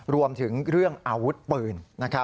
รวมถึงเรื่องอาวุธปืน